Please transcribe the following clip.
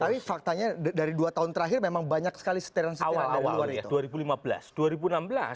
tapi faktanya dari dua tahun terakhir memang banyak sekali seteran seteran awal